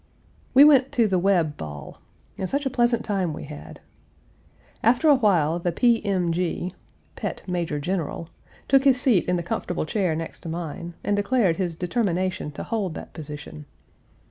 We went to the Webb ball, and such a pleasant time we had. After a while the P. M. G. (Pet Major General) took his seat in the comfortable chair next to mine, and declared his determination to hold that position.